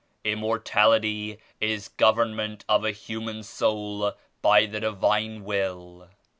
Immortality is government of a human soul by the Divine Will."